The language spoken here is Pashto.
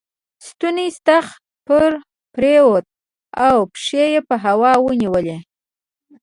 ستونی ستغ پر ووت او پښې یې په هوا ونیولې.